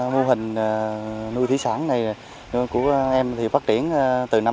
mô hình nuôi thủy sản này của em thì phát triển từ năm hai nghìn một mươi